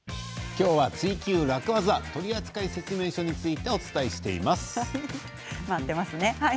今日は「ツイＱ楽ワザ」取扱説明書について回ってますね。